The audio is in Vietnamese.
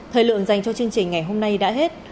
thời lượng dành cho chương trình ngày hôm nay đã hết